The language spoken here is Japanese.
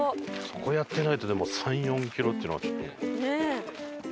そこやってないとでも３４キロっていうのが。